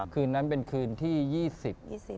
คืนนั้นเป็นคืนที่ยี่สิบ